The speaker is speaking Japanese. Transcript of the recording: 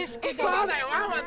そうだよワンワン